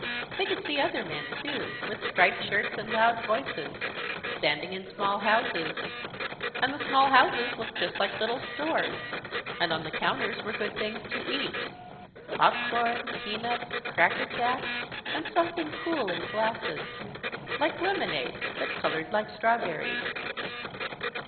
They could see other men too, with striped shirts and loud voices, standing in small houses. And the small houses looked just like little stores, and on the counters were good things to eat, popcorn, peanuts, cracker jack, and something cool in glasses, like lemonade but coloured like strawberries.